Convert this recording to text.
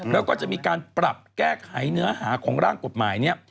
แล้วก็จะมีการปรับแก้ไขเนื้อหาของร่างกฎหมายนี้